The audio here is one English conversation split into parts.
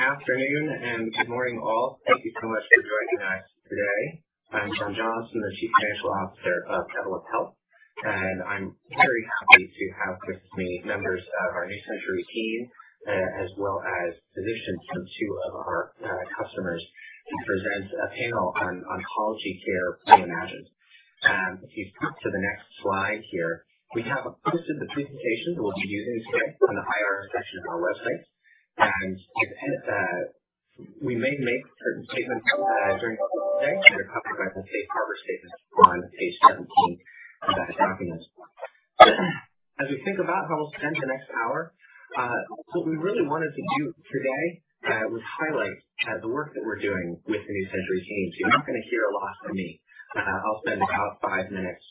Good afternoon and good morning, all. Thank you so much for joining us today. I'm John Johnson, the Chief Financial Officer of Evolent Health, and I'm very happy to have with me members of our New Century team, as well as physicians from two of our customers to present a panel on Oncology Care Reimagined. If you flip to the next slide here, we have a portion of the presentation that we'll be using today from the IR section of our website. We may make certain statements during the presentation that are covered by the safe harbor statements on page 17 of that document. As we think about how we'll spend the next hour, what we really wanted to do today was highlight the work that we're doing with the New Century teams. You're not gonna hear a lot from me. I'll spend about five minutes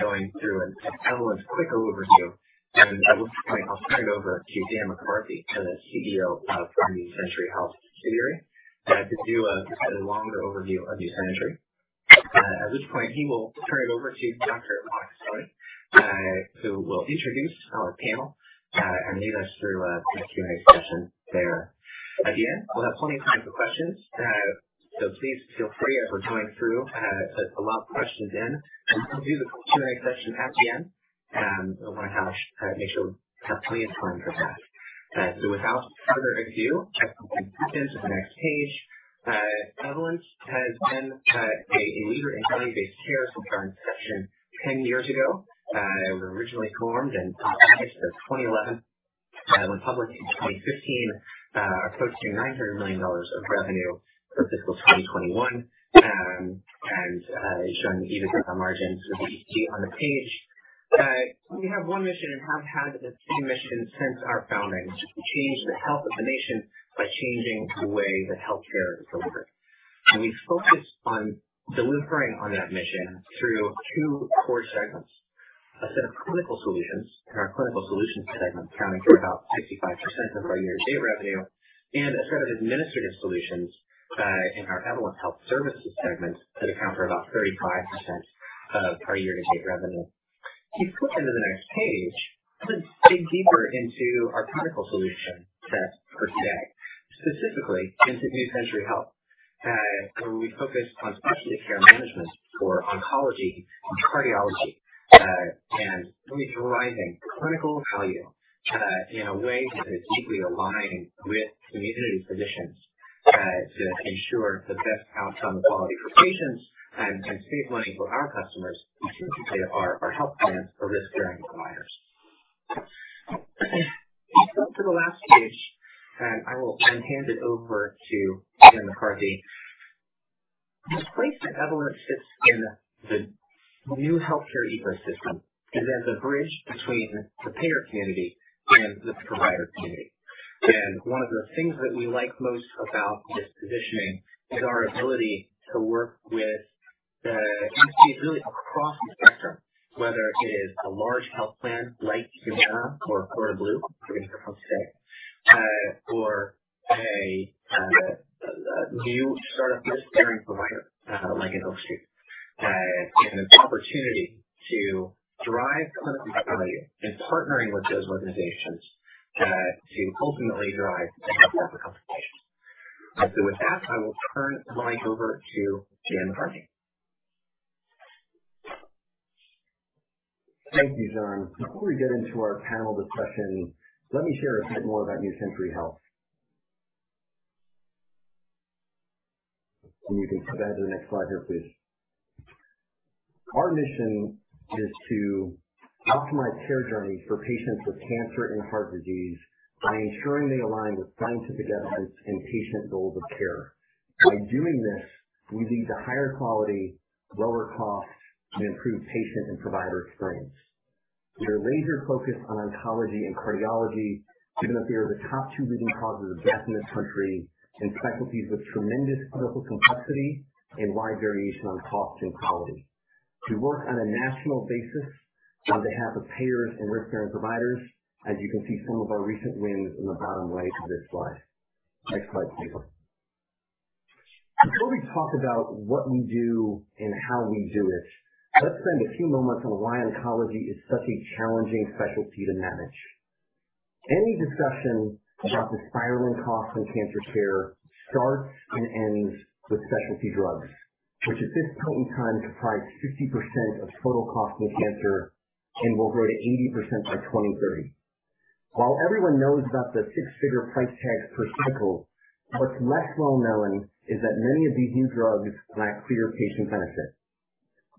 going through an Evolent quick overview, and at which point I'll turn it over to Dan McCarthy, the CEO of our New Century Health subsidiary, to do a longer overview of New Century. At this point, he will turn it over to Dr. Monica Soni, who will introduce our panel and lead us through a Q&A session there. Again, we'll have plenty of time for questions. So please feel free as we're going through to put a lot of questions in, and we'll do the Q&A session at the end. I wanna make sure we have plenty of time for that. So without further ado, let's move on to the next page. Evolent has been a leader in value-based care since our inception 10 years ago. We were originally formed in August 2011, went public in 2015, approaching $900 million of revenue for fiscal 2021, and showing EBITDA margins that you see on the page. We have one mission and have had the same mission since our founding, to change the health of the nation by changing the way that healthcare is delivered. We focus on delivering on that mission through two core segments. A set of clinical solutions in our clinical solutions segment accounting for about 65% of our year-to-date revenue, and a set of administrative solutions in our Evolent Health services segment that account for about 35% of our year-to-date revenue. If you flip into the next page, let's dig deeper into our clinical solution set for today, specifically into New Century Health, where we focus on specialty care management for oncology and cardiology. We provide a clinical value in a way that is deeply aligned with community physicians to ensure the best outcome quality for patients and save money for our customers, specifically our health plans or risk-bearing providers. If you flip to the last page, I will then hand it over to Dan McCarthy. The place that Evolent sits in the new healthcare ecosystem is as a bridge between the payer community and the provider community. One of the things that we like most about this positioning is our ability to work with the entities really across the spectrum, whether it is a large health plan like Humana or Florida Blue, who we hear from today, or a new start-up risk-bearing provider, like an Oak Street. An opportunity to drive clinical value in partnering with those organizations, to ultimately drive better outcomes for patients. With that, I will turn the mic over to Dan McCarthy. Thank you, John. Before we get into our panel discussion, let me share a bit more about New Century Health. You can go to the next slide here, please. Our mission is to optimize care journeys for patients with cancer and heart disease by ensuring they align with scientific evidence and patient goals of care. By doing this, we lead to higher quality, lower cost, and improved patient and provider experience. We are laser focused on oncology and cardiology, given that they are the top two leading causes of death in this country and specialties with tremendous clinical complexity and wide variation on cost and quality. We work on a national basis on behalf of payers and risk-bearing providers, as you can see some of our recent wins in the bottom right of this slide. Next slide, please. Before we talk about what we do and how we do it, let's spend a few moments on why oncology is such a challenging specialty to manage. Any discussion about the spiraling cost in cancer care starts and ends with specialty drugs, which at this point in time comprise 50% of total cost in cancer and will grow to 80% by 2030. While everyone knows about the six-figure price tags per cycle, what's less well-known is that many of these new drugs lack clear patient benefit.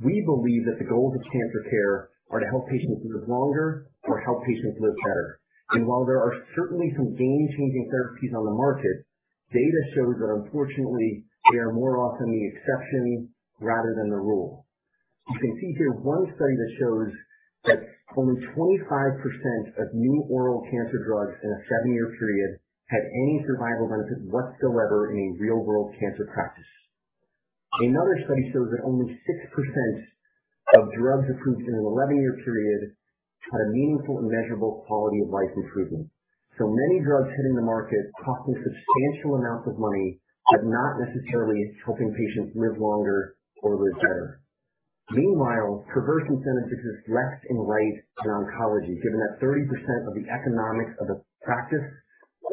We believe that the goals of cancer care are to help patients live longer or help patients live better. While there are certainly some game-changing therapies on the market, data shows that unfortunately they are more often the exception rather than the rule. You can see here one study that shows that only 25% of new oral cancer drugs in a seven-year period had any survival benefit whatsoever in a real-world cancer practice. Another study shows that only 6% of drugs approved in an 11-year period had a meaningful and measurable quality of life improvement. Many drugs hitting the market costing substantial amounts of money, but not necessarily helping patients live longer or live better. Meanwhile, perverse incentives exist left and right in oncology, given that 30% of the economics of the practice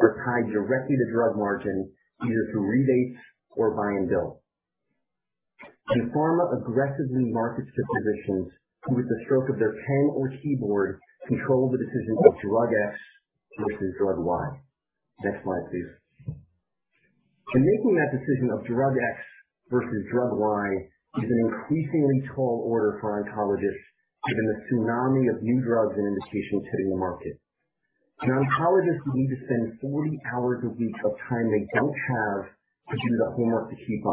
are tied directly to drug margin, either through rebates or buy and bill. Pharma aggressively markets to physicians who, with the stroke of their pen or keyboard, control the decision of drug X versus drug Y. Next slide, please.. Making that decision of drug X versus drug Y is an increasingly tall order for oncologists, given the tsunami of new drugs and indications hitting the market. Oncologists need to spend 40 hours a week of time they don't have to do that homework to keep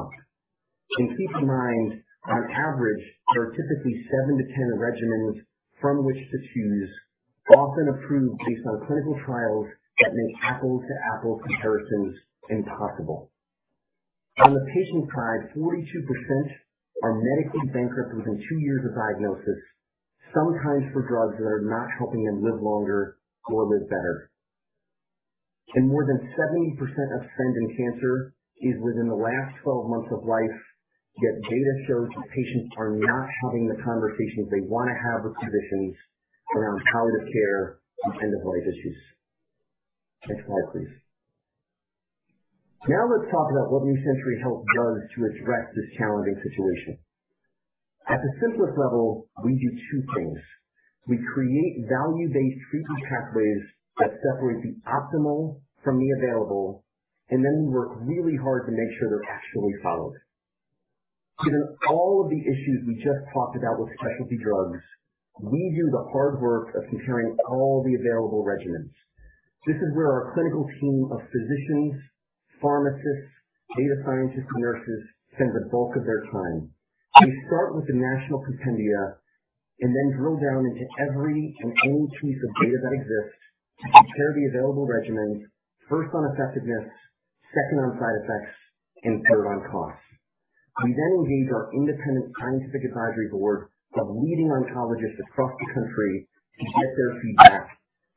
up. Keep in mind, on average, there are typically 7-10 regimens from which to choose, often approved based on clinical trials that make apples-to-apples comparisons impossible. On the patient side, 42% are medically bankrupt within two years of diagnosis, sometimes for drugs that are not helping them live longer or live better. More than 70% of spend in cancer is within the last 12 months of life. Yet data shows patients are not having the conversations they wanna have with physicians around palliative care and end-of-life issues. Next slide, please. Now let's talk about what New Century Health does to address this challenging situation. At the simplest level, we do two things. We create value-based treatment pathways that separate the optimal from the available, and then we work really hard to make sure they're actually followed. Given all of the issues we just talked about with specialty drugs, we do the hard work of comparing all the available regimens. This is where our clinical team of physicians, pharmacists, data scientists, and nurses spend the bulk of their time. We start with the national compendia and then drill down into every and any piece of data that exists to compare the available regimens, first on effectiveness, second on side effects, and third on cost. We then engage our independent scientific advisory board of leading oncologists across the country to get their feedback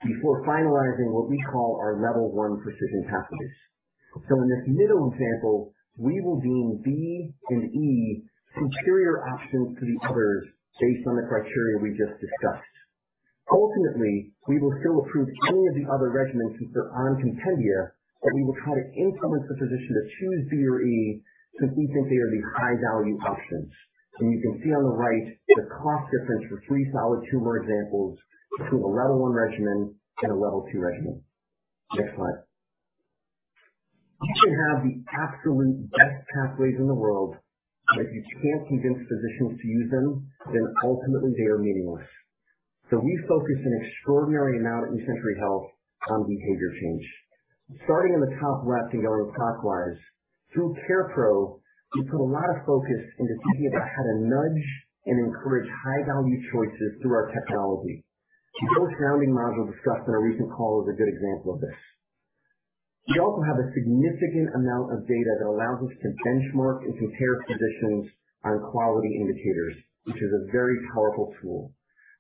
before finalizing what we call our level one precision pathways. In this middle example, we will deem B and E superior options to the others based on the criteria we just discussed. Ultimately, we will still approve any of the other regimens since they're on compendia, but we will try to influence the physician to choose B or E since we think they are the high-value options. You can see on the right the cost difference for three solid tumor examples between a level one regimen and a level two regimen. Next slide. You can have the absolute best pathways in the world, but if you can't convince physicians to use them, then ultimately they are meaningless. We focus an extraordinary amount at New Century Health on behavior change. Starting in the top left and going clockwise, through CarePro, we put a lot of focus into thinking about how to nudge and encourage high-value choices through our technology. The dose rounding module discussed on our recent call is a good example of this. We also have a significant amount of data that allows us to benchmark and compare physicians on quality indicators, which is a very powerful tool.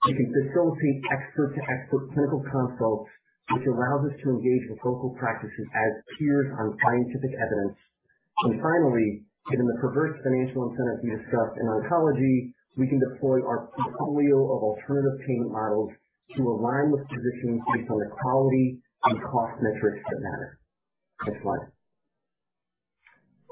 We can facilitate expert-to-expert clinical consults, which allows us to engage with local practices as peers on scientific evidence. Finally, given the perverse financial incentive we discussed in oncology, we can deploy our portfolio of alternative payment models to align with physicians based on the quality and cost metrics that matter. Next slide.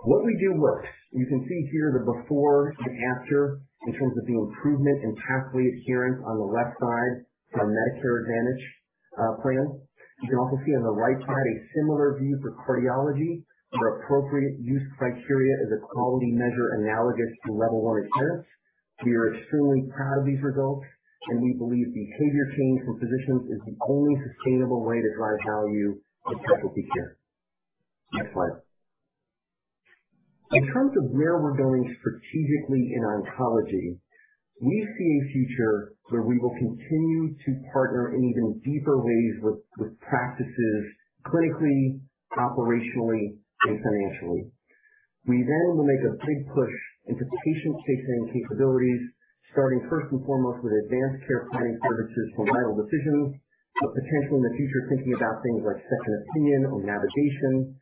What we do works. You can see here the before and after in terms of the improvement in pathway adherence on the left side for Medicare Advantage plans. You can also see on the right side a similar view for cardiology, where appropriate use criteria is a quality measure analogous to level one adherence. We are extremely proud of these results, and we believe behavior change for physicians is the only sustainable way to drive value in specialty care. Next slide. In terms of where we're going strategically in oncology, we see a future where we will continue to partner in even deeper ways with practices clinically, operationally, and financially. We then will make a big push into patient-facing capabilities, starting first and foremost with advanced care planning services from Vital Decisions, but potentially in the future, thinking about things like second opinion or navigation.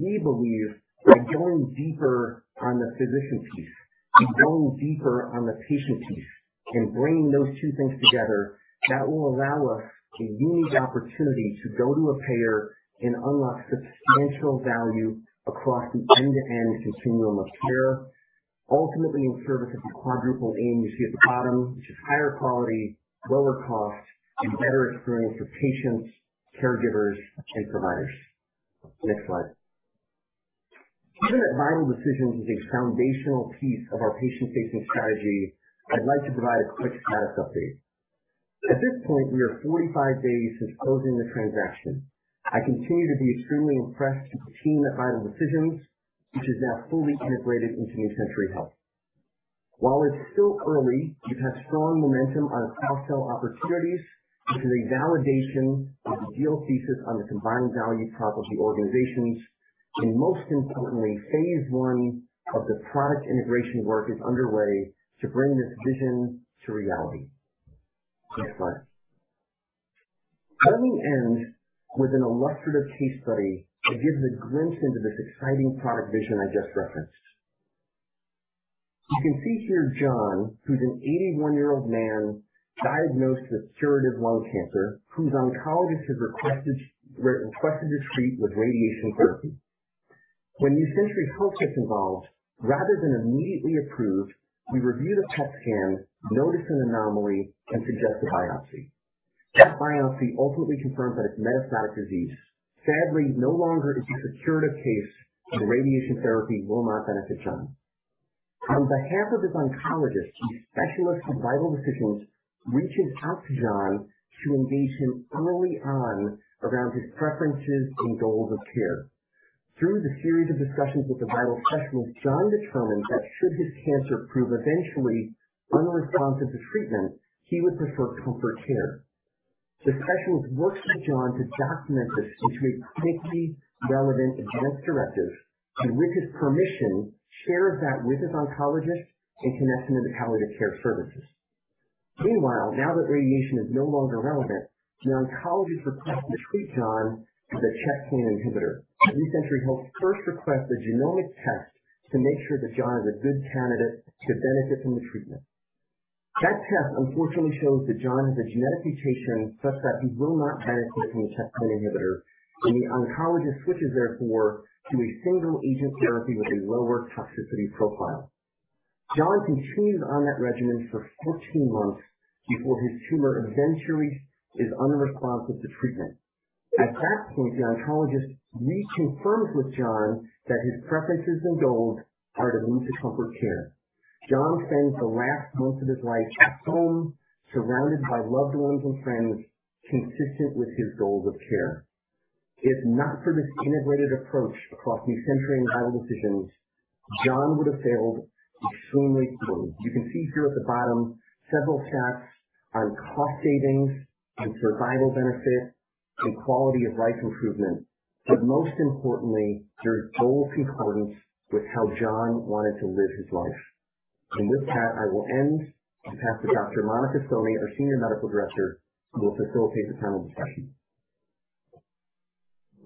We believe by going deeper on the physician piece and going deeper on the patient piece and bringing those two things together, that will allow us a unique opportunity to go to a payer and unlock substantial value across the end-to-end continuum of care, ultimately in service of the quadruple aim you see at the bottom, which is higher quality, lower cost, and better experience for patients, caregivers, and providers. Next slide. Given that Vital Decisions is a foundational piece of our patient-facing strategy, I'd like to provide a quick status update. At this point, we are 45 days since closing the transaction. I continue to be extremely impressed with the team at Vital Decisions, which is now fully integrated into New Century Health. While it's still early, we've had strong momentum on cross-sell opportunities, which is a validation of the deal thesis on the combined value prop of the organizations. Most importantly, phase one of the product integration work is underway to bring this vision to reality. Next slide. Let me end with an illustrative case study to give the glimpse into this exciting product vision I just referenced. You can see here John, who's an 81-year-old man diagnosed with curative lung cancer, whose oncologist has requested to treat with radiation therapy. When New Century Health gets involved, rather than immediately approved, we review the PET scan, notice an anomaly, and suggest a biopsy. That biopsy ultimately confirms that it's metastatic disease. Sadly, no longer is a curative case, and radiation therapy will not benefit John. On behalf of his oncologist, a specialist from Vital Decisions reaches out to John to engage him early on around his preferences and goals of care. Through the series of discussions with the Vital specialist, John determined that should his cancer prove eventually unresponsive to treatment, he would prefer comfort care. The specialist works with John to document this into a clinically relevant advance directive and, with his permission, shares that with his oncologist and connects him to palliative care services. Meanwhile, now that radiation is no longer relevant, the oncologist requests to treat John with a checkpoint inhibitor. New Century Health first requests a genomic test to make sure that John is a good candidate to benefit from the treatment. That test unfortunately shows that John has a genetic mutation such that he will not benefit from the checkpoint inhibitor, and the oncologist switches therefore to a single agent therapy with a lower toxicity profile. John continues on that regimen for 14 months before his tumor eventually is unresponsive to treatment. At that point, the oncologist reconfirms with John that his preferences and goals are to move to comfort care. John spends the last months of his life at home, surrounded by loved ones and friends, consistent with his goals of care. If not for this integrated approach across New Century and Vital Decisions, John would have failed extremely poorly. You can see here at the bottom several stats on cost savings, on survival benefit, on quality of life improvement, but most importantly, there's goal concordance with how John wanted to live his life. With that, I will end to pass to Dr. Monica Soni, our Senior Medical Director, who will facilitate the panel discussion.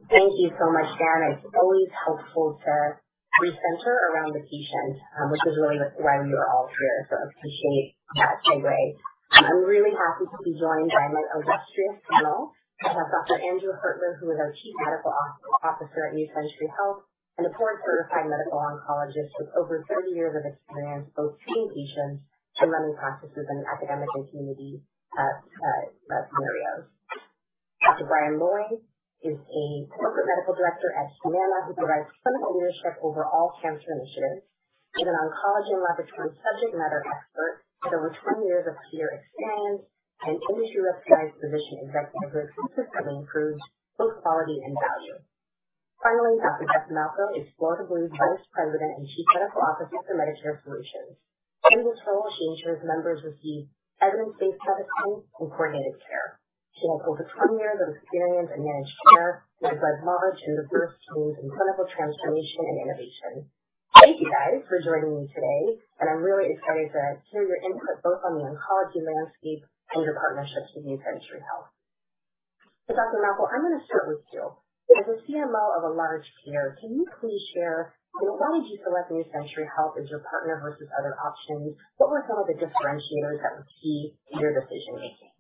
Thank you so much, Dan. It's always helpful to recenter around the patient, which is really why we are all here. I appreciate that segue. I'm really happy to be joined by my illustrious panel. I have Dr. Andrew Hertler, who is our Chief Medical Officer at New Century Health and a board-certified medical oncologist with over 30 years of experience, both seeing patients and running practices in an academic and community settings. Dr. Bryan Loy is a Corporate Medical Director at Humana who provides clinical leadership over all cancer initiatives and an oncology and laboratory subject matter expert with over 20 years of experience and industry-recognized physician executive who consistently improves both quality and value. Finally, Dr. Beth Malko is Florida Blue's Vice President and Chief Medical Officer for Medicare Solutions. In this role, she ensures members receive evidence-based medicine and coordinated care. She has over 20 years of experience in managed care and has led knowledgeable diverse teams in clinical transformation and innovation. Thank you, guys, for joining me today, and I'm really excited to hear your input both on the oncology landscape and your partnerships with New Century Health. Dr. Beth Malko, I'm going to start with you. As a CMO of a large payer, can you please share why did you select New Century Health as your partner versus other options? What were some of the differentiators that were key to your decision-making?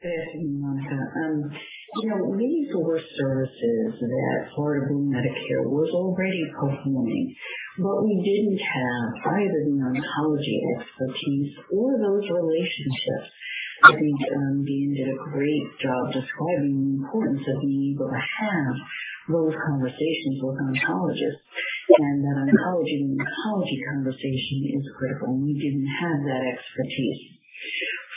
Thank you, Monica. You know, these were services that Florida Blue Medicare was already performing, but we didn't have either the oncology expertise or those relationships. I think, Dan McCarthy did a great job describing the importance of being able to have those conversations with oncologists and that oncology to oncology conversation is critical, and we didn't have that expertise.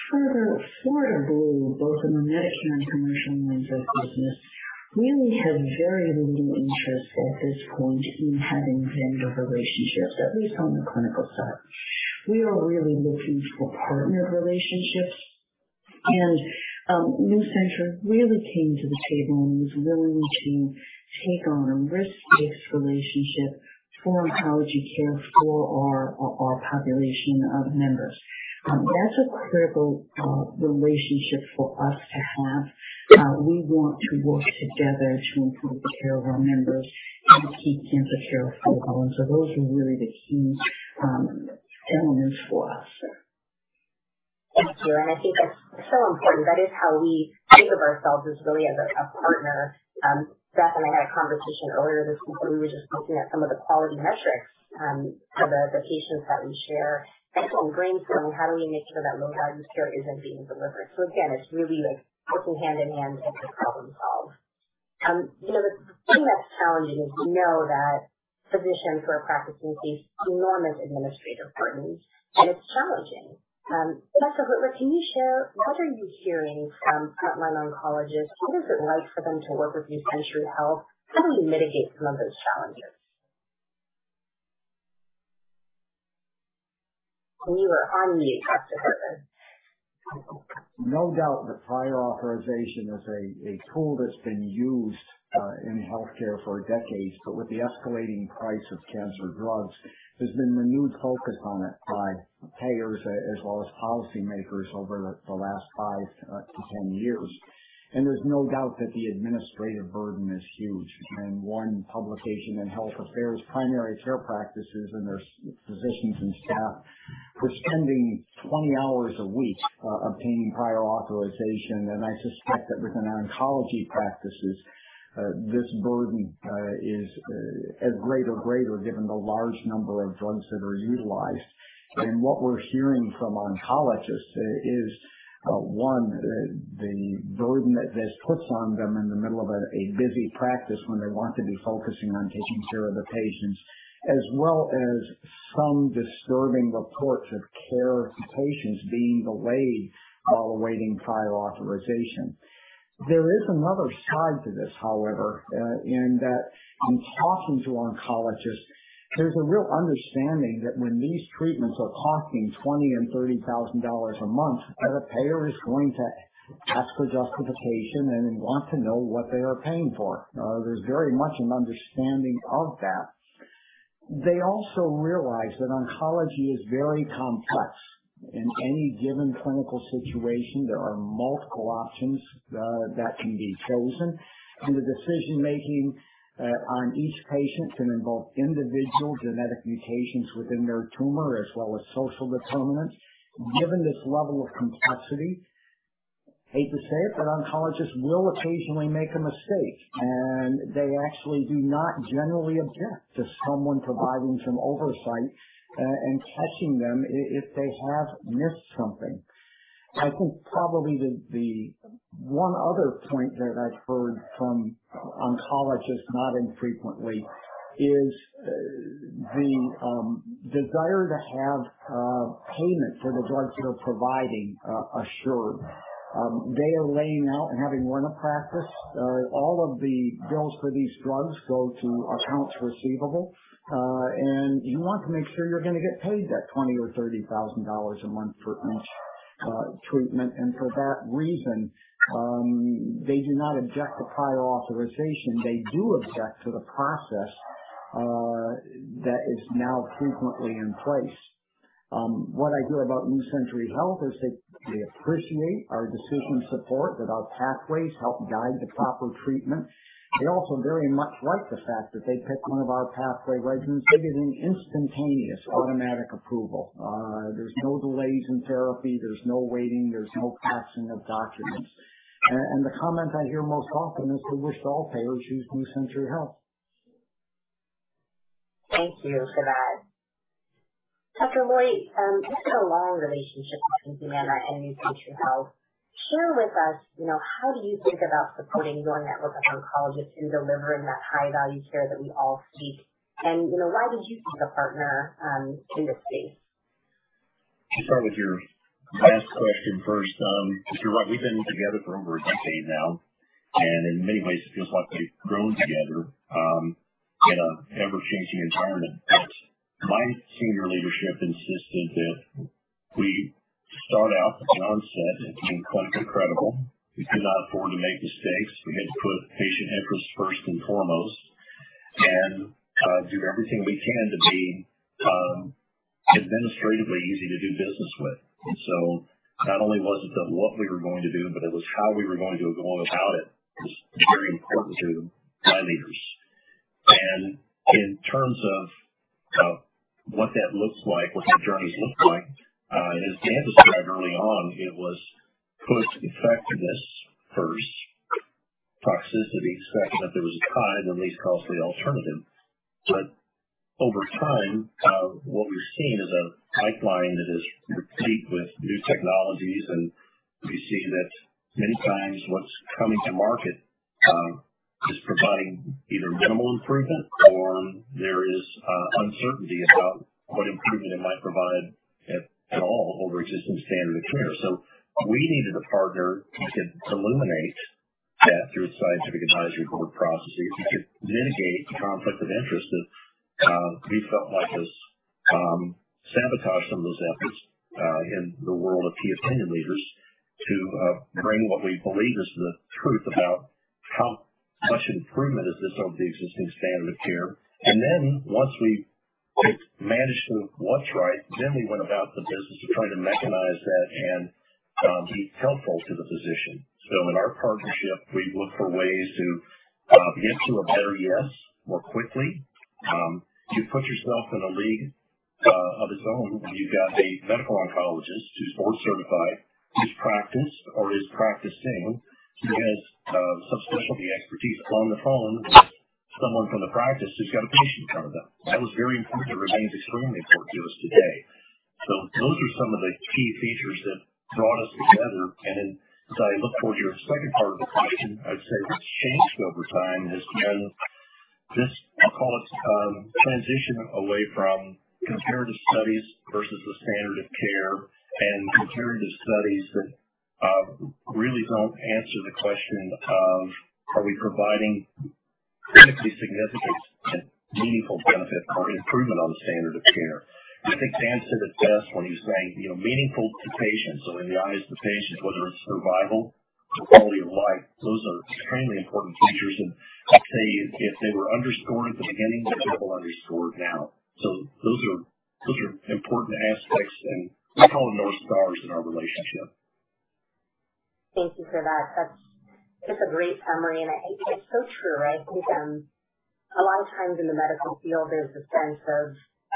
Further, Florida Blue, both in the Medicare and commercial lines of business, really have very limited interest at this point in having vendor relationships, at least on the clinical side. We are really looking for partner relationships and, New Century really came to the table and was willing to take on a risk-based relationship for oncology care for our population of members. That's a critical relationship for us to have. We want to work together to improve the care of our members and keep cancer care affordable. Those are really the key elements for us. Thank you. I think that's so important. That is how we think of ourselves is really as a partner. Beth and I had a conversation earlier this week where we were just looking at some of the quality metrics of the patients that we share and brainstorming how do we make sure that low-value care isn't being delivered. Again, it's really working hand in hand to problem solve. You know, the thing that's challenging is we know that physicians who are practicing face enormous administrative burdens, and it's challenging. Dr. Hertler, can you share what are you hearing from frontline oncologists? What is it like for them to work with New Century Health? How do we mitigate some of those challenges? When you were on mute, Dr. Hertler. No doubt that prior authorization is a tool that's been used in healthcare for decades, but with the escalating price of cancer drugs, there's been renewed focus on it by payers as well as policymakers over the last 5-10 years. There's no doubt that the administrative burden is huge. In one publication in Health Affairs, primary care practices and their physicians and staff were spending 20 hours a week obtaining prior authorization. I suspect that within oncology practices this burden is as great or greater given the large number of drugs that are utilized. What we're hearing from oncologists is the burden that this puts on them in the middle of a busy practice when they want to be focusing on taking care of the patients, as well as some disturbing reports of care of patients being delayed while awaiting prior authorization. There is another side to this, however, in that in talking to oncologists, there's a real understanding that when these treatments are costing $20,000 and $30,000 a month, that a payer is going to ask for justification and want to know what they are paying for. There's very much an understanding of that. They also realize that oncology is very complex. In any given clinical situation, there are multiple options that can be chosen, and the decision-making on each patient can involve individual genetic mutations within their tumor as well as social determinants. Given this level of complexity, hate to say it, but oncologists will occasionally make a mistake, and they actually do not generally object to someone providing some oversight and catching them if they have missed something. I think probably the one other point that I've heard from oncologists not infrequently is the desire to have payment for the drugs they're providing assured. They are laying out and having run a practice. All of the bills for these drugs go to accounts receivable, and you want to make sure you're gonna get paid that $20,000 or $30,000 a month for each treatment. For that reason, they do not object to prior authorization. They do object to the process that is now frequently in place. What I hear about New Century Health is they appreciate our decision support, that our pathways help guide the proper treatment. They also very much like the fact that they pick one of our pathway regimens, they get an instantaneous automatic approval. There's no delays in therapy, there's no waiting, there's no passing of documents. The comment I hear most often is they wish all payers used New Century Health. Thank you for that. Dr. Loy, you've had a long relationship with Humana and New Century Health. Share with us, you know, how do you think about supporting your network of oncologists in delivering that high-value care that we all seek? You know, why did you seek a partner in this space? To start with your last question first, you're right. We've been together for over a decade now, and in many ways it feels like we've grown together in a ever-changing environment. My senior leadership insisted that we start out from the onset as being clinically credible. We could not afford to make mistakes. We had to put patient interests first and foremost and do everything we can to be administratively easy to do business with. Not only was it the what we were going to do, but it was how we were going to go about it was very important to my leaders. In terms of what that looks like, what that journey's looked like, as Dan described early on, it was put effectiveness first, toxicity second, if there was a tie, then least costly alternative. Over time, what we're seeing is a pipeline that is replete with new technologies, and we see that many times what's coming to market is providing either minimal improvement or there is uncertainty about what improvement it might provide at all over existing standard of care. We needed a partner who could illuminate that through scientific advisory board processes, who could mitigate conflict of interest that we felt like has sabotaged some of those efforts in the world of key opinion leaders to bring what we believe is the truth about how much improvement is this over the existing standard of care. Once we managed to what's right, then we went about the business of trying to mechanize that and be helpful to the physician. In our partnership, we look for ways to get to a better yes more quickly. You put yourself in a league of its own when you've got a medical oncologist who's board certified, who is practicing, who has subspecialty expertise on the phone with someone from the practice who's got a patient in front of them. That was very important. It remains extremely important to us today. Those are some of the key features that brought us together. As I look toward your second part of the question, I'd say what's changed over time has been this, I'll call it, transition away from comparative studies versus the standard of care and comparative studies that really don't answer the question of are we providing critically significant and meaningful benefit or improvement on the standard of care. I think Dan said it best when he was saying, you know, meaningful to patients or in the eyes of the patient, whether it's survival or quality of life, those are extremely important features. I'd say if they were underscored at the beginning, they're double underscored now. Those are important aspects, and we call them north stars in our relationship. Thank you for that. That's just a great summary, and it's so true, right? Because a lot of times in the medical field, there's a sense of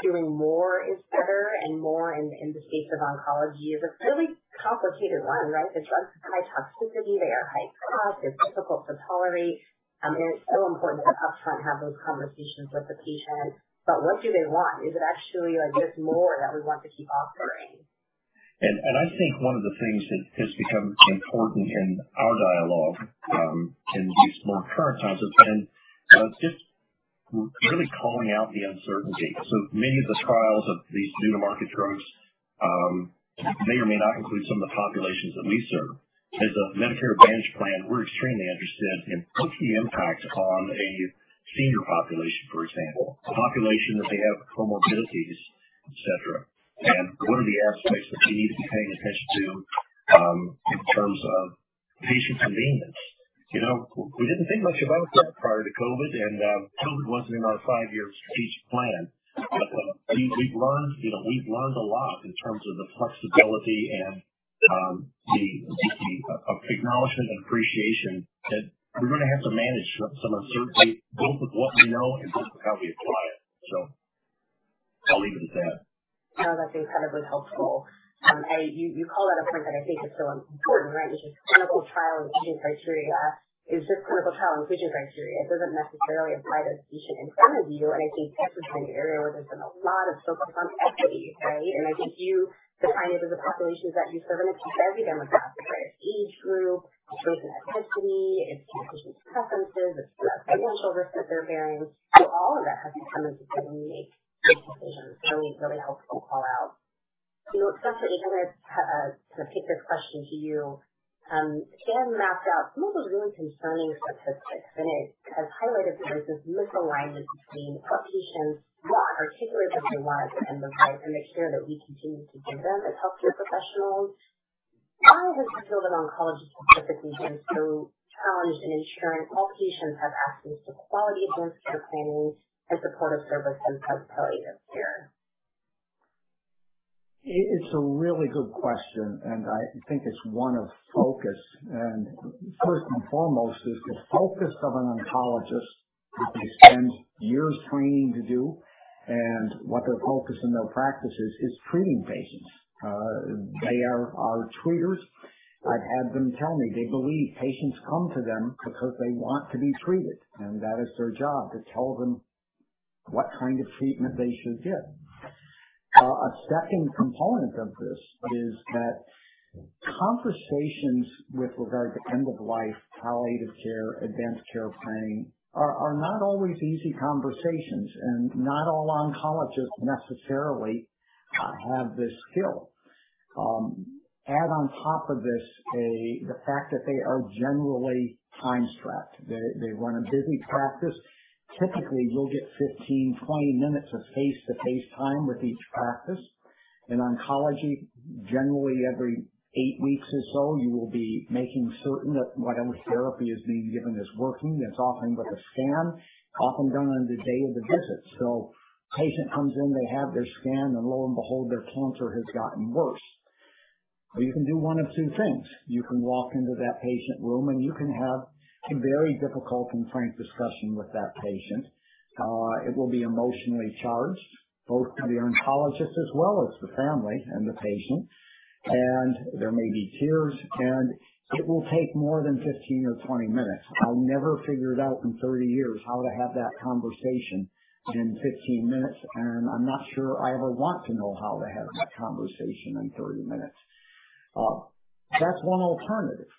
doing more is better and more in the space of oncology is a really complicated one, right? The drugs are high toxicity, they are high cost. It's difficult to tolerate. And it's so important that upfront have those conversations with the patient. But what do they want? Is it actually like just more that we want to keep offering? I think one of the things that has become important in our dialogue in these more current times has been just really calling out the uncertainty. So many of the trials of these new to market drugs may or may not include some of the populations that we serve. As a Medicare Advantage plan, we're extremely interested in what's the impact on a senior population, for example. A population that they have comorbidities, et cetera. What are the aspects that we need to be paying attention to in terms of patient convenience. You know, we didn't think much about that prior to COVID. COVID wasn't in our five-year strategic plan. You know, we've learned a lot in terms of the flexibility and the acknowledgement and appreciation that we're going to have to manage some uncertainty both with what we know and just how we apply it. I'll leave it at that. No, that's incredibly helpful. You call out a point that I think is so important, right, which is clinical trial inclusion criteria. It's just clinical trial inclusion criteria. It doesn't necessarily apply to the patient in front of you. I think this is an area where there's been a lot of focus on equity, right? I think you define it as the populations that you serve. It's every demographic, right? It's age group. It's race and ethnicity. It's patient's preferences. It's the financial risk that they're bearing. All of that has to come into play when you make good decisions. Really, really helpful call out. Dr. Hertler, I'm going to kind of take this question to you. Scan mapped out some of the really concerning statistics and it has highlighted there is this misalignment between what patients want, particularly what they want at the end of life, and the care that we continue to give them as healthcare professionals. Why has the field of oncology specifically been so challenged in ensuring all patients have access to quality advanced care planning and supportive services like palliative care? It's a really good question, and I think it's one of focus. First and foremost is the focus of an oncologist, which they spend years training to do and what their focus in their practice is treating patients. They are our treaters. I've had them tell me they believe patients come to them because they want to be treated, and that is their job to tell them what kind of treatment they should get. A second component of this is that conversations with regard to end of life, palliative care, advanced care planning are not always easy conversations. Not all oncologists necessarily have this skill. Add on top of this the fact that they are generally time strapped. They run a busy practice. Typically, you'll get 15, 20 minutes of face-to-face time with each practice. In oncology, generally every 8 weeks or so you will be making certain that whatever therapy is being given is working. That's often with a scan often done on the day of the visit. Patient comes in, they have their scan, and lo and behold, their cancer has gotten worse. Well, you can do one of two things. You can walk into that patient room, and you can have a very difficult and frank discussion with that patient. It will be emotionally charged both to the oncologist as well as the family and the patient. There may be tears, and it will take more than 15 or 20 minutes. I'll never figure it out in 30 years how to have that conversation in 15 minutes. I'm not sure I ever want to know how to have that conversation in 30 minutes. That's one alternative.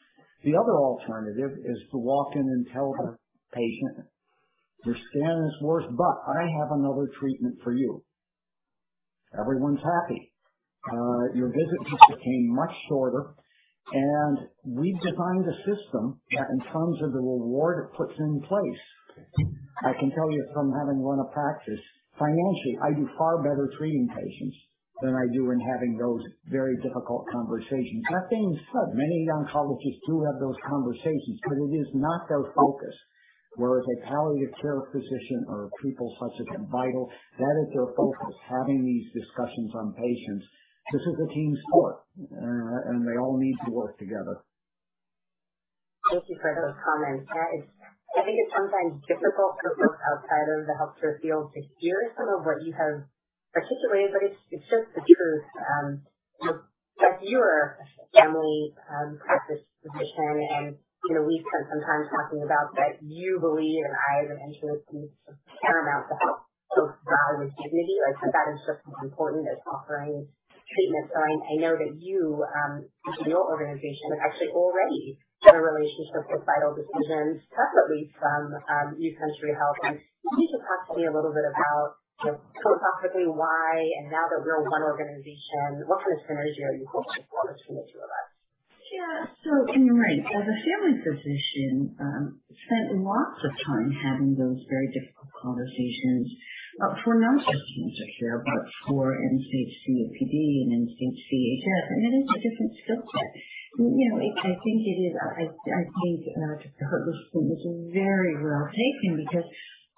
The other alternative is to walk in and tell the patient, "Your scan is worse, but I have another treatment for you." Everyone's happy. Your visit just became much shorter. We've designed a system that in terms of the reward it puts in place, I can tell you from having run a practice financially, I do far better treating patients than I do in having those very difficult conversations. That being said, many oncologists do have those conversations, but it is not their focus. Whereas a palliative care physician or people such as at Vital, that is their focus, having these discussions on patients. This is a team sport, and they all need to work together. Thank you for those comments. I think it's sometimes difficult for folks outside of the healthcare field to hear some of what you have articulated, but it's just the truth. You know, like you're a family practice physician and, you know, we've spent some time talking about that you believe, and I as an insurer think it's paramount to help folks die with dignity. Like that is just as important as offering treatment. I know that you, your organization actually already had a relationship with Vital Decisions separately from New Century Health. Can you just talk to me a little bit about just philosophically why and now that we're one organization, what kind of synergy are you hoping to form between the two of us? You're right. As a family physician, I spent lots of time having those very difficult conversations for non-cancer care, but for CHF, COPD, and VHS, and it is a different skill set. You know, I think Dr. Hertler's point was very well taken because,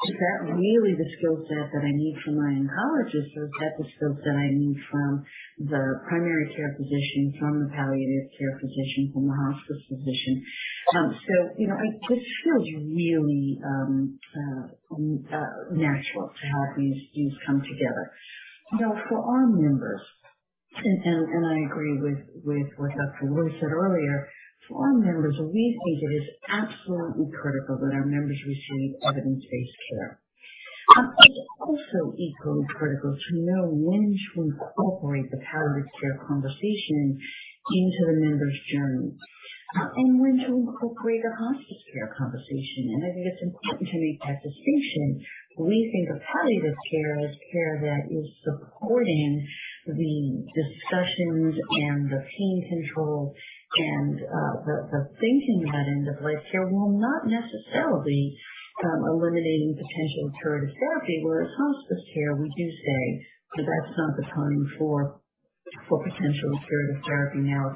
is that really the skill set that I need from my oncologist, or is that the skills that I need from the primary care physician, from the palliative care physician, from the hospice physician? You know, this feels really natural to have these come together. Now, for our members, I agree with what Dr. Loy said earlier. For our members, we think it is absolutely critical that our members receive evidence-based care. It's also equally critical to know when to incorporate the palliative care conversation into the member's journey, and when to incorporate a hospice care conversation. I think it's important to make that distinction. We think of palliative care as care that is supporting the discussions and the pain control and the thinking about end of life care while not necessarily eliminating potential curative therapy. Whereas hospice care, we do say that that's not the time for potential curative therapy now.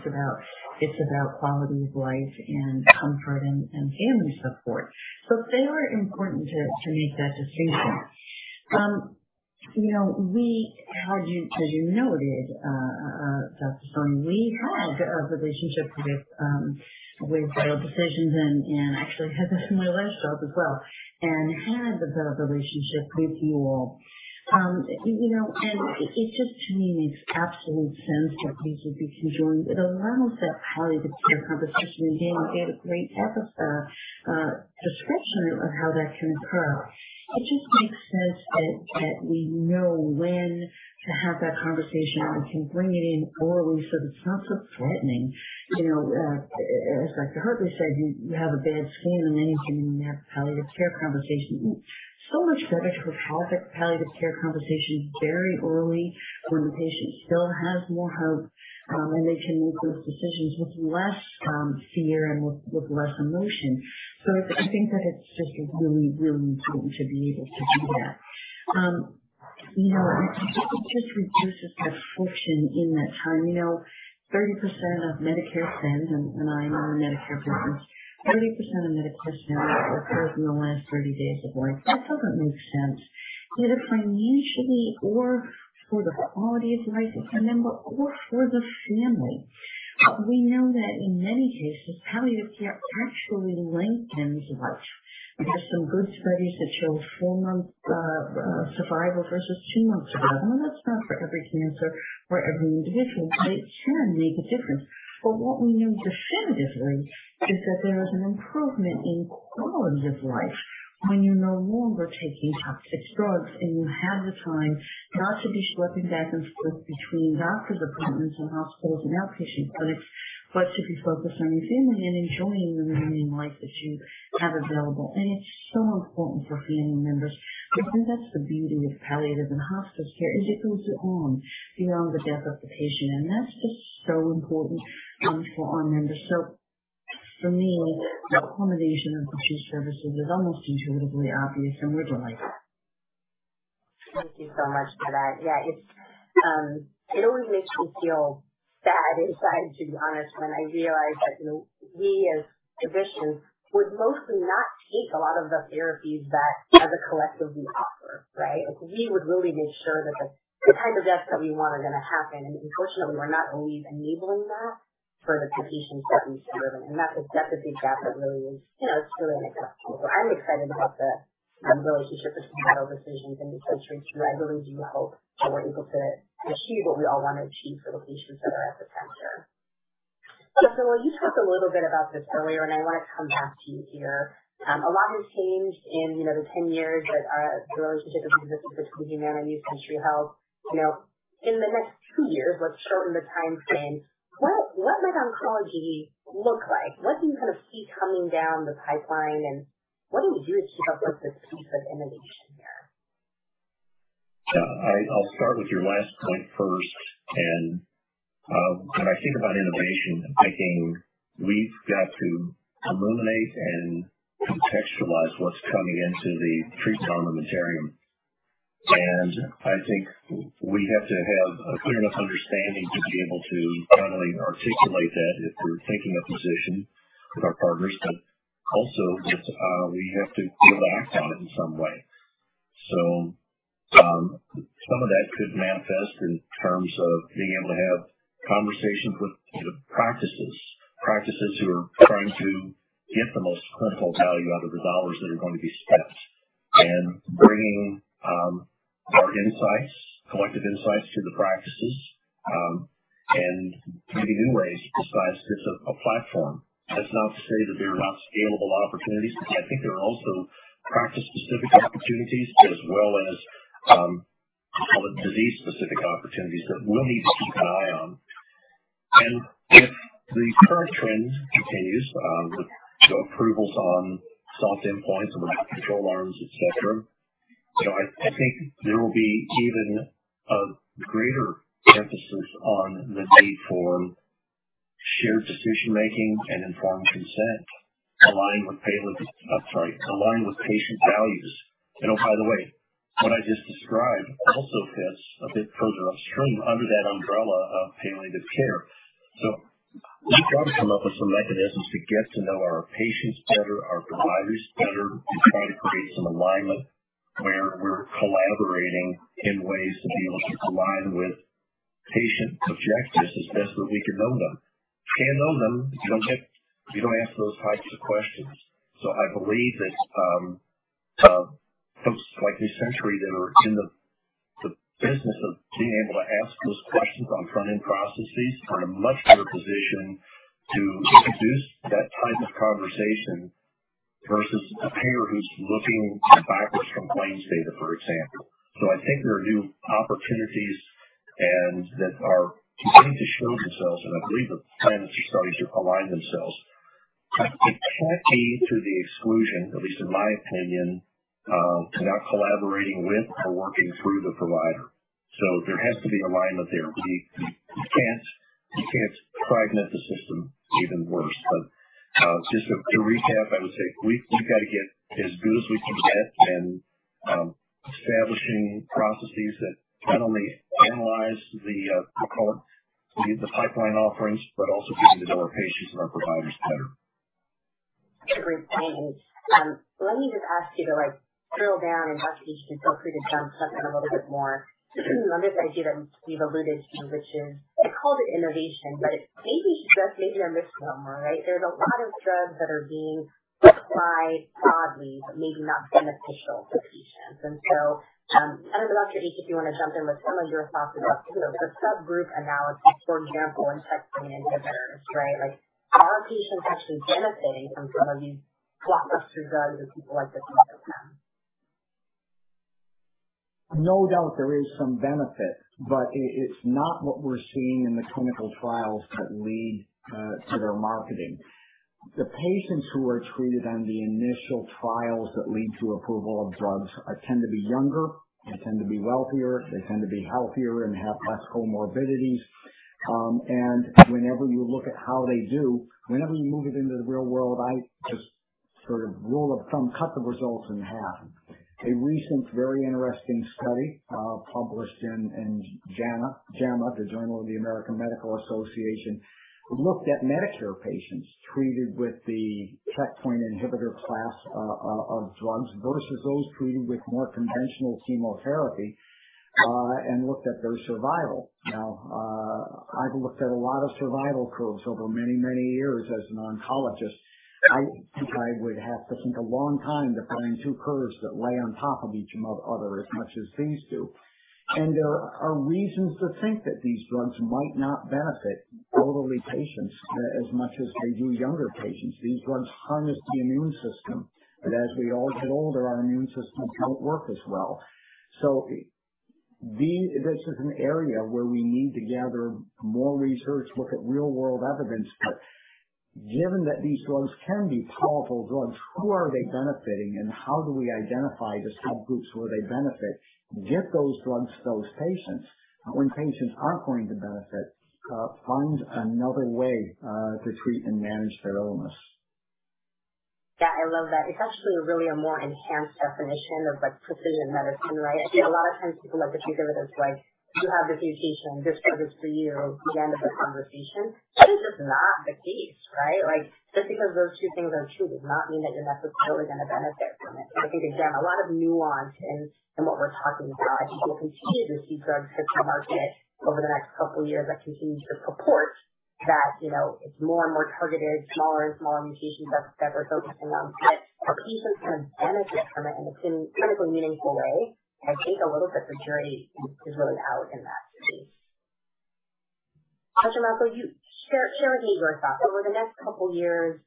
It's about quality of life and comfort and family support. It's very important to make that distinction. You know, as you noted, Dr. Soni, we had a relationship with Vital Decisions and actually had this in my last job as well, and had a good relationship with you all. You know, it just to me makes absolute sense that these would be conjoined. It allows that palliative care conversation. Again, you had a great description of how that can occur. It just makes sense that we know when to have that conversation and can bring it in early so that it's not so threatening. You know, as Dr. Hertler said, you have a bad scan, and then you can have the palliative care conversation. It's so much better to have that palliative care conversation very early when the patient still has more hope, and they can make those decisions with less fear and with less emotion. I think that it's just, it's really, really important to be able to do that. You know, it just reduces the friction in that time. You know, 30% of Medicare spend, and I know we're a Medicare company, 30% of Medicare spending occurs in the last 30 days of life. That doesn't make sense either financially or for the quality of life of the member or for the family. We know that in many cases, palliative care actually lengthens life. There's some good studies that show four months survival versus two months survival. Now, that's not for every cancer, for every individual, but it can make a difference. What we know definitively is that there is an improvement in quality of life when you're no longer taking toxic drugs, and you have the time not to be schlepping back and forth between doctor's appointments and hospitals and outpatient clinics, but to be focused on your family and enjoying the remaining life that you have available. It's so important for family members. I think that's the beauty of palliative and hospice care, is it goes on beyond the death of the patient, and that's just so important, for our members. For me, the accommodation of these services is almost intuitively obvious and would like that. Thank you so much for that. Yeah, it's. It always makes me feel bad inside, to be honest, when I realize that, you know, we as physicians would mostly not take a lot of the therapies that as a collective we offer, right? Like, we would really make sure that the kind of death that we want is gonna happen. Unfortunately, we're not always enabling that for the patients that we serve. That's a big gap that really is, you know, it's really unacceptable. I'm excited about the relationship with Vital Decisions and New Century. I really do hope that we're able to achieve what we all want to achieve for the patients that are at the center. Dr. Loy, you talked a little bit about this earlier, and I wanna come back to you here. A lot has changed in, you know, the 10 years that the relationship has existed between Humana and New Century Health. You know, in the next two years, let's shorten the time frame. What might oncology look like? What do you kind of see coming down the pipeline, and what do you do to keep up with this pace of innovation here? I'll start with your last point first. When I think about innovation, I think we've got to illuminate and contextualize what's coming into the treatment armamentarium. I think we have to have a clear enough understanding to be able to not only articulate that if we're taking a position with our partners, but also that we have to be able to act on it in some way. Some of that could manifest in terms of being able to have conversations with the practices who are trying to get the most clinical value out of the dollars that are going to be spent. Bringing our insights, collective insights to the practices, and maybe new ways besides just a platform. That's not to say that they're not scalable opportunities, but I think there are also practice specific opportunities as well as, disease specific opportunities that we'll need to keep an eye on. If the current trends. Continues with the approvals on soft endpoints and without control arms, et cetera. I think there will be even a greater emphasis on the need for shared decision-making and informed consent aligned with patient values. Oh, by the way, what I just described also fits a bit further upstream under that umbrella of palliative care. We've got to come up with some mechanisms to get to know our patients better, our providers better, to try to create some alignment where we're collaborating in ways to be able to align with patient objectives as best that we can know them. You can't know them if you don't ask those types of questions. I believe that folks like New Century that are in the business of being able to ask those questions on front-end processes are in a much better position to introduce that type of conversation versus a payer who's looking backwards at claims data, for example. I think there are new opportunities that are beginning to show themselves, and I believe the plans are starting to align themselves. It can't be to the exclusion, at least in my opinion, of not collaborating with or working through the provider. There has to be alignment there. We can't fragment the system even worse. Just to recap, I would say we've got to get as good as we can get in establishing processes that not only analyze the pipeline offerings, but also getting to know our patients and our providers better. Great point. Let me just ask you to, like, drill down and talk to each of you before we jump to something a little bit more. On this idea that you've alluded to, which is I called it innovation, but it's maybe just a misnomer, right? There's a lot of drugs that are being applied broadly, but maybe not beneficial to patients. I don't know, Dr. Hertler, if you want to jump in with some of your thoughts about, you know, the subgroup analysis for example, in checkpoint inhibitors, right? Like, are patients actually benefiting from some of these blockbuster drugs that people like to talk about? No doubt there is some benefit, but it's not what we're seeing in the clinical trials that lead to their marketing. The patients who are treated on the initial trials that lead to approval of drugs tend to be younger. They tend to be wealthier. They tend to be healthier and have less comorbidities. Whenever you look at how they do, whenever you move it into the real world, I just sort of rule of thumb, cut the results in half. A recent very interesting study published in JAMA, the Journal of the American Medical Association, looked at Medicare patients treated with the checkpoint inhibitor class of drugs versus those treated with more conventional chemotherapy and looked at their survival. Now, I've looked at a lot of survival curves over many, many years as an oncologist. I think I would have to think a long time to find two curves that lay on top of each other as much as these do. There are reasons to think that these drugs might not benefit elderly patients as much as they do younger patients. These drugs harness the immune system. As we all get older, our immune systems don't work as well. This is an area where we need to gather more research, look at real-world evidence. Given that these drugs can be powerful drugs, who are they benefiting and how do we identify the subgroups where they benefit? Get those drugs to those patients. When patients aren't going to benefit, find another way to treat and manage their illness. Yeah, I love that. It's actually really a more enhanced definition of like precision medicine, right? I think a lot of times people like to think of it as like you have this mutation, this drug is for you, end of the conversation. That is just not the case, right? Like just because those two things are true does not mean that you're necessarily going to benefit from it. Like again, a lot of nuance in what we're talking about. I think we'll continue to see drugs hit the market over the next couple years that continue to purport that, you know, it's more and more targeted, smaller and smaller mutations that we're focusing on. But are patients going to benefit from it in a clinically meaningful way? I think a little bit the jury is really out in that space. Dr. Malko, you share with me your thoughts. Over the next couple years,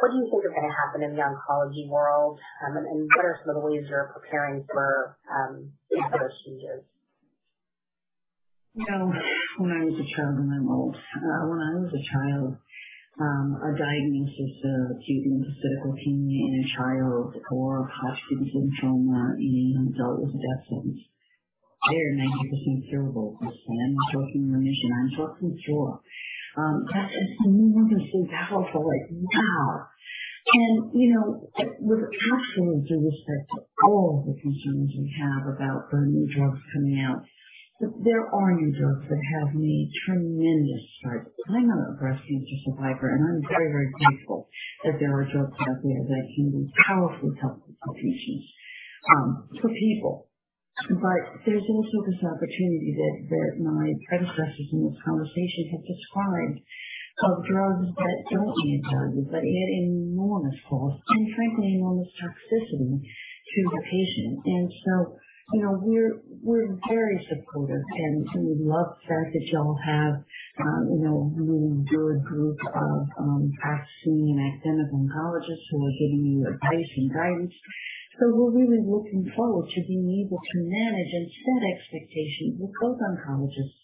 what do you think is going to happen in the oncology world? What are some of the ways you're preparing for those changes? You know, when I was a child, and I'm old. A diagnosis of acute lymphoblastic leukemia in a child or a Hodgkin lymphoma in an adult was a death sentence. They are 90% curable. I'm talking remission. I'm talking cure. That is amazingly powerful. Like, wow. You know, with absolute due respect to all of the concerns we have about the new drugs coming out, there are new drugs that have made tremendous strides. I'm a breast cancer survivor, and I'm very, very grateful that there are drugs out there that can be powerfully helpful to patients, to people. But there's also this opportunity that my predecessors in this conversation have described of drugs that don't need drugs, but at enormous cost and frankly, enormous toxicity to the patient. You know, we're very supportive, and we love the fact that y'all have, you know, a really good group of, practicing and academic oncologists who are giving you advice and guidance. We're really looking forward to being able to manage and set expectations with both oncologists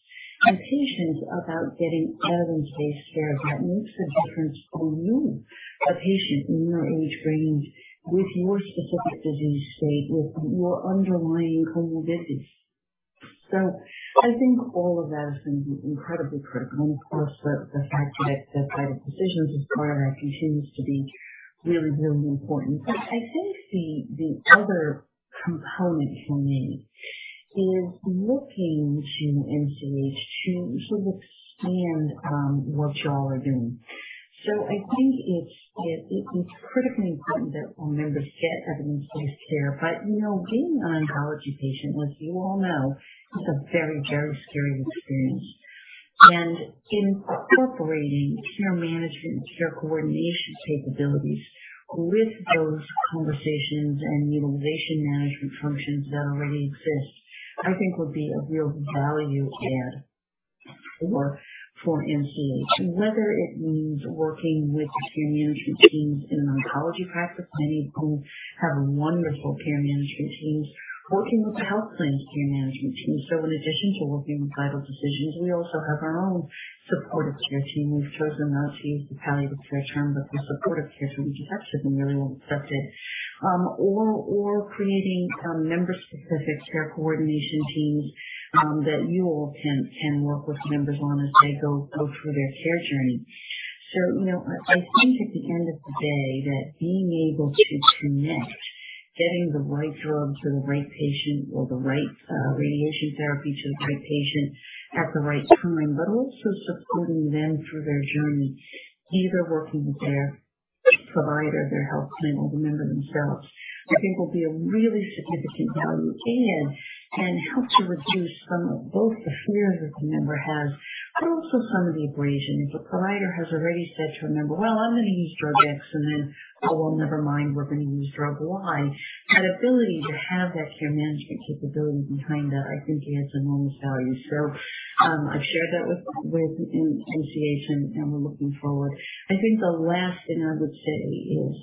and patients about getting evidence-based care that makes a difference for you, a patient in your age range with your specific disease state, with your underlying comorbidities. I think all of that is going to be incredibly critical. Of course, the fact that Vital Decisions is part of it continues to be really, really important. I think the other component for me is looking to NCH to expand what y'all are doing. I think it's critically important that our members get evidence-based care. You know, being an oncology patient, as you all know, is a very, very scary experience. Incorporating care management and care coordination capabilities with those conversations and utilization management functions that already exist, I think would be a real value add for NCH, whether it means working with the care management teams in an oncology practice. Many of whom have wonderful care management teams working with the health plan's care management team. In addition to working with Vital Decisions, we also have our own supportive care team. We've chosen not to use the palliative care term, but for supportive care, so we can actually really accept it. Creating member-specific care coordination teams that you all can work with members on as they go through their care journey. You know, I think at the end of the day, that being able to connect, getting the right drug to the right patient or the right radiation therapy to the right patient at the right time, but also supporting them through their journey, either working with their provider, their health plan, or the member themselves, I think will be a really significant value add and help to reduce some of both the fears that the member has and also some of the abrasions. A provider has already said to a member, "Well, I'm going to use drug X," and then, "Oh, well, never mind, we're going to use drug Y." That ability to have that care management capability behind that, I think, has enormous value. I've shared that with the association, and we're looking forward. I think the last thing I would say is,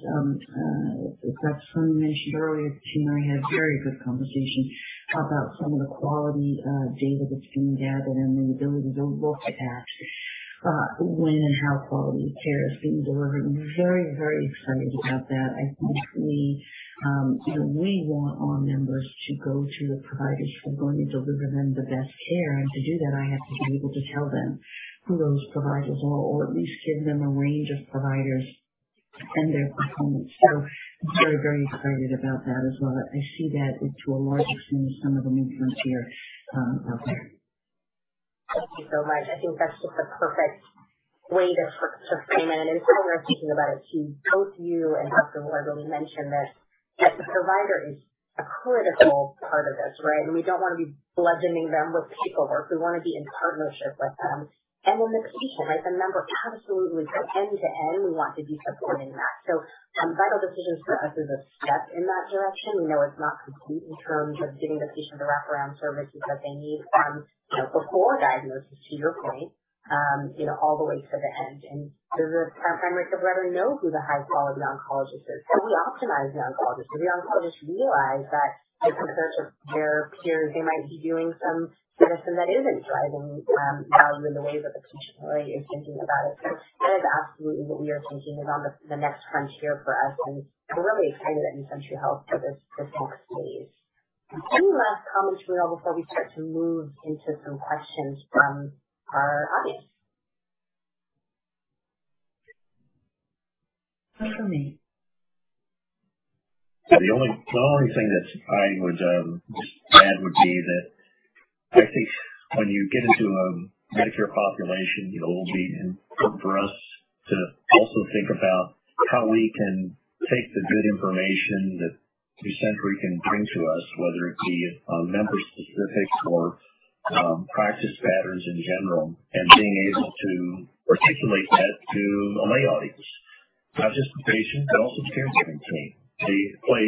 as Dr. Soni mentioned earlier, the team and I had very good conversation about some of the quality data that's being gathered and the ability to look at when and how quality care is being delivered. We're very, very excited about that. I think we, you know, we want our members to go to the providers who are going to deliver them the best care. To do that, I have to be able to tell them who those providers are or at least give them a range of providers and their performance. I'm very, very excited about that as well. I see that to a large extent as some of the new frontier out there. Thank you so much. I think that's just a perfect way to frame it. It's something we're thinking about as a team. Both you and Dr. Loy really mentioned this, that the provider is a critical part of this, right? We don't want to be bludgeoning them with paperwork. We want to be in partnership with them. Then the patient, right? The member absolutely end to end, we want to be supporting that. Vital Decisions for us is a step in that direction. We know it's not complete in terms of giving the patient the wraparound services that they need from, you know, before diagnosis, to your point, you know, all the way to the end. There's a framework to better know who the high-quality oncologist is. Can we optimize the oncologist? Do the oncologists realize that in comparison to their peers, they might be doing some medicine that isn't driving value in the way that the patient really is thinking about it? That is absolutely what we are thinking is on the next frontier for us. We're really excited at New Century Health for this next phase. Any last comments before we start to move into some questions from our audience? Not from me. The only thing that I would just add would be that I think when you get into a Medicare population, it will be important for us to also think about how we can take the good information that New Century can bring to us, whether it be member-specific or practice patterns in general, and being able to articulate that to a lay audience, not just the patient, but also the caregiving team. They play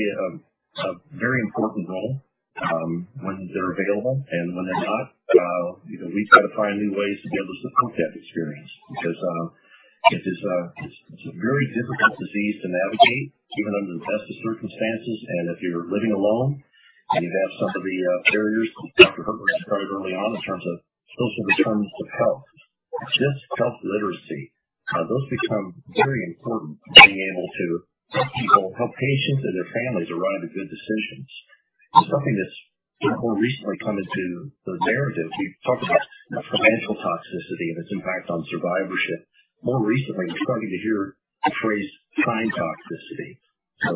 a very important role when they're available and when they're not, you know, we've got to find new ways to be able to support that experience because it is a very difficult disease to navigate even under the best of circumstances. If you're living alone and you have some of the barriers Dr. Hertler described early on in terms of social determinants of health, just health literacy, those become very important to being able to help people, help patients and their families arrive at good decisions. Something that's more recently come into the narrative. We've talked about financial toxicity and its impact on survivorship. More recently, we're starting to hear the phrase time toxicity.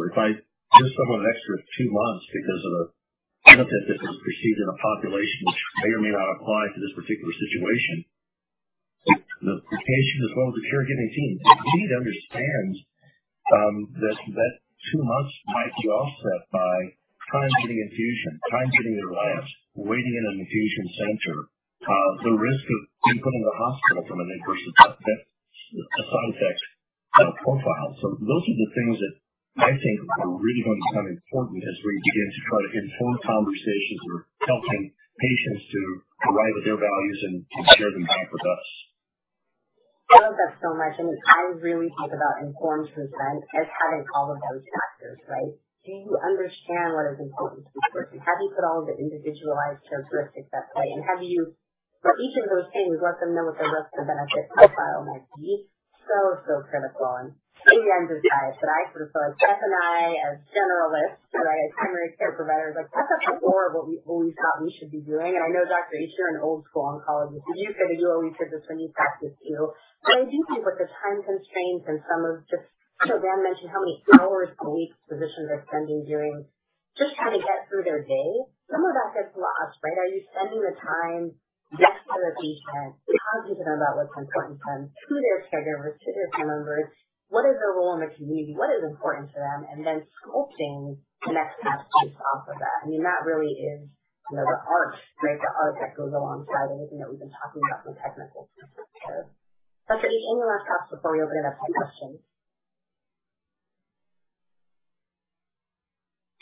If I give someone an extra two months because of a benefit that was perceived in a population which may or may not apply to this particular situation, the patient as well as the caregiving team indeed understands that two months might be offset by time getting infusion, time getting their labs, waiting in an infusion center, the risk of ending up in the hospital from an adverse event, a side effect profile. Those are the things that I think are really going to become important as we begin to try to inform conversations or helping patients to arrive at their values and share them back with us. I love that so much. I really think about informed consent as having all of those factors, right? Do you understand what is important to the person? Have you put all of the individualized characteristics at play? Have you, for each of those things, let them know what the risks and benefits profile might be? So critical. Maybe I'm just biased, but I sort of feel like Beth and I as generalists, right, as primary care providers, like that's at the core of what we always thought we should be doing. I know, Dr. Hertler, you're an old-school oncologist, and you probably do all these things when you practice too. I do think with the time constraints and some of just, I know Dan mentioned how many hours a week physicians are spending doing just trying to get through their day. Some of that gets lost, right? Are you spending the time next to the patient, talking to them about what's important to them, to their caregivers, to their family members? What is their role in the community? What is important to them? Sculpting the next path based off of that. I mean, that really is, you know, the art, right? The art that goes alongside everything that we've been talking about from the technical perspective. Dr. Hertler, any last thoughts before we open it up to questions?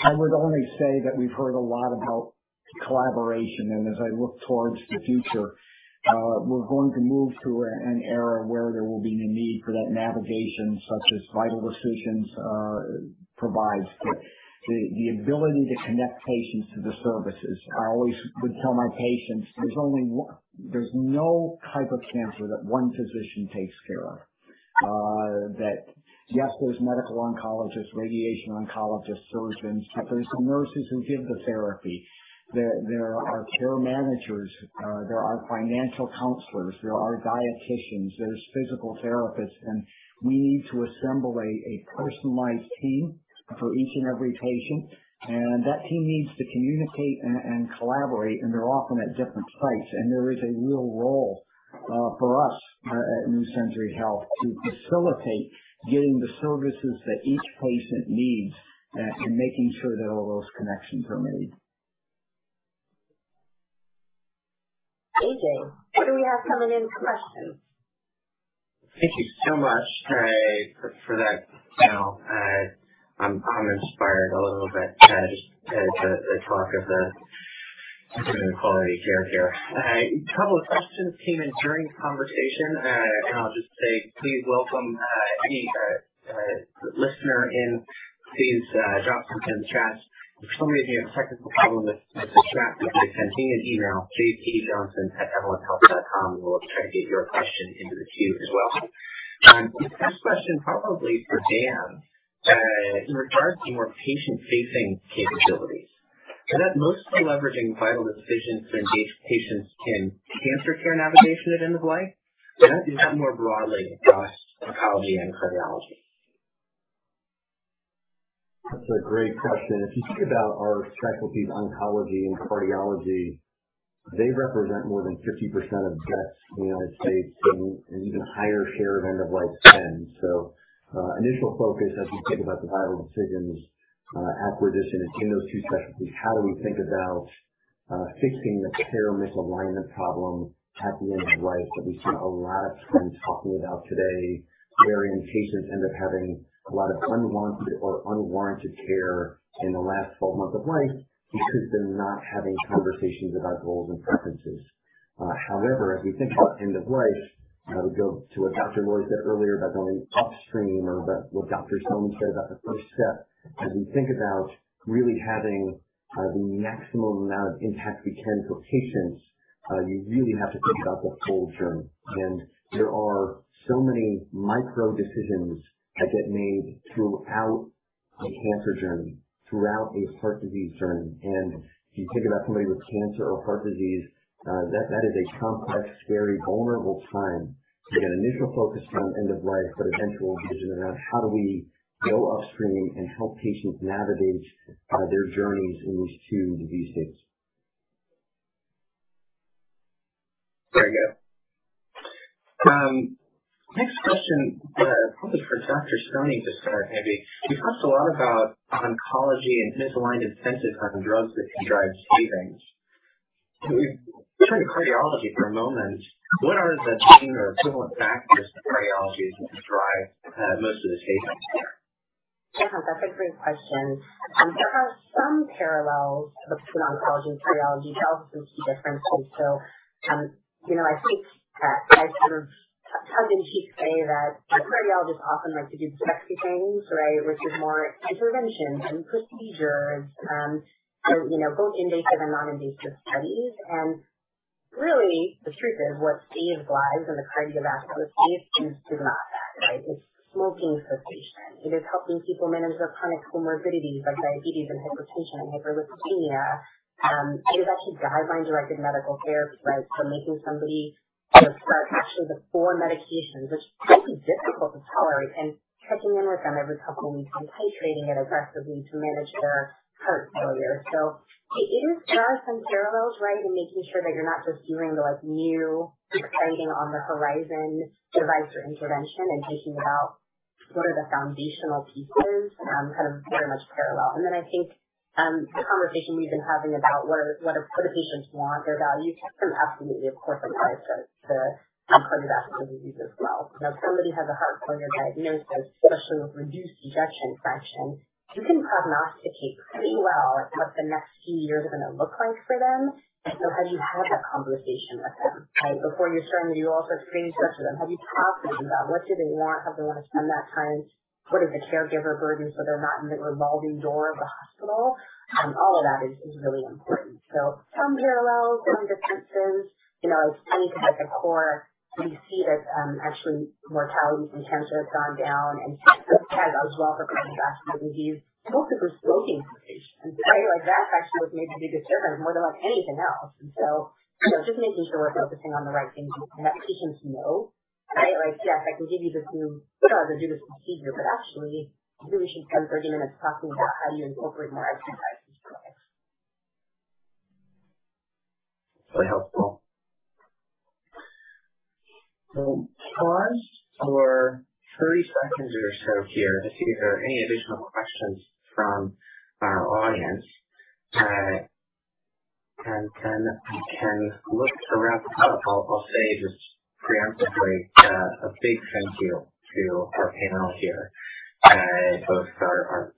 I would only say that we've heard a lot about collaboration, and as I look towards the future, we're going to move to an era where there will be a need for that navigation, such as Vital Decisions provides. The ability to connect patients to the services. I always would tell my patients there's no type of cancer that one physician takes care of. That yes, there's medical oncologists, radiation oncologists, surgeons, but there's the nurses who give the therapy. There are care managers, there are financial counselors, there are dieticians, there's physical therapists. We need to assemble a personalized team for each and every patient. That team needs to communicate and collaborate, and they're often at different sites. There is a real role for us at New Century Health to facilitate getting the services that each patient needs and making sure that all those connections are made. JJ, what do we have coming in questions? Thank you so much for that panel. I'm inspired a little bit just at the talk of the improvement in quality of care here. A couple of questions came in during the conversation. I'll just say please welcome any listener in please drop something in the chat. If some of you have a technical problem with the chat, you can send an email, jpjohnson@evolenthealth.com, and we'll try to get your question into the queue as well. The first question probably for Dan in regards to more patient-facing capabilities. Is that mostly leveraging Vital Decisions to engage patients in cancer care navigation at end of life? Or is that more broadly across oncology and cardiology? That's a great question. If you think about our specialties, oncology and cardiology, they represent more than 50% of deaths in the United States and an even higher share of end-of-life spend. Initial focus as we think about the Vital Decisions acquisition is in those two specialties. How do we think about fixing the care misalignment problem at the end of life that we spent a lot of time talking about today, where patients end up having a lot of unwanted or unwarranted care in the last 12 months of life because they're not having conversations about goals and preferences. However, as we think about end of life, I would go to what Dr. Loy said earlier about going upstream or about what Dr. Soni said about the first step. As we think about really having the maximum amount of impact we can for patients, you really have to think about the whole journey. There are so many micro decisions that get made throughout a cancer journey, throughout a heart disease journey. If you think about somebody with cancer or heart disease, that is a complex, very vulnerable time. We have an initial focus on end of life, but eventual vision around how do we go upstream and help patients navigate their journeys in these two disease states. Very good. Next question, probably for Dr. Soni to start maybe. You talked a lot about oncology and misaligned incentives on drugs that can drive savings. Can we turn to cardiology for a moment? What are the pain or equivalent factors to cardiology that can drive most of the savings there? Yeah, that's a great question. There are some parallels between oncology and cardiology, but also some key differences. You know, I think I sort of tongue in cheek say that cardiologists often like to do sexy things, right? Which is more interventions and procedures, you know, both invasive and non-invasive studies. Really the truth is what saves lives in the cardiovascular space is not that, right? It's smoking cessation. It is helping people manage their chronic comorbidities like diabetes and hypertension and hyperlipidemia. It is actually guideline-directed medical therapy, right? Making somebody start actually the four medications, which can be difficult to tolerate, and checking in with them every couple weeks and titrating it aggressively to manage their heart failure. It is. There are some parallels, right? In making sure that you're not just doing the, like, new exciting on the horizon device or intervention and thinking about what are the foundational pieces, kind of very much parallel. Then I think the conversation we've been having about what do patients want, their values can absolutely apply to the cardiovascular diseases as well. You know, if somebody has a heart failure diagnosis, especially with reduced ejection fraction, you can prognosticate pretty well what the next few years are gonna look like for them. Have you had that conversation with them, right? Before you're starting to do all sorts of things for them, have you talked to them about what do they want? How they want to spend that time? What is the caregiver burden so they're not in the revolving door of the hospital? All of that is really important. Some parallels, some differences. You know, I think at the core, we see that, actually mortality from cancer has gone down and as well for cardiovascular disease, mostly through smoking cessation, right? Like that's actually what's made the big difference more than like anything else. You know, just making sure we're focusing on the right things and letting patients know, right? Like, yes, I can give you this new drug or do this procedure, but actually we really should spend 30 minutes talking about how do you incorporate more exercise into your life. Really helpful. We'll pause for 30 seconds or so here to see if there are any additional questions from our audience. Then we can look to wrap up. I'll say just preemptively a big thank you to our panel here. Both our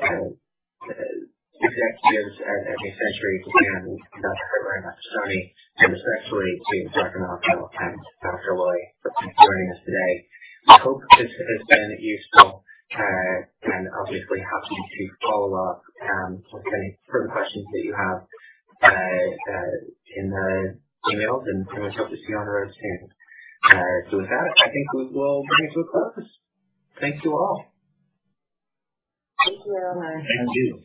executives at New Century and Dr. Monica Soni, and especially to Dr. Malko and Dr. Loy for joining us today. We hope this has been useful and obviously happy to follow up with any further questions that you have in the emails, and we hope to see you on the road soon. With that, I think we will bring it to a close. Thank you all. Thank you, everyone. Thank you.